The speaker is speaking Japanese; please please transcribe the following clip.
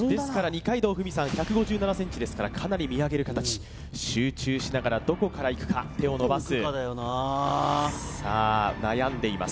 二階堂ふみさん１５７ｃｍですからかなり見上げる形集中しながらどこからいくか手を伸ばすさあ悩んでいます